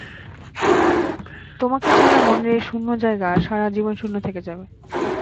তোমাকে ছাড়া মনের সেই শূন্য জায়গা সারা জীবন শূন্য থেকে যাবে।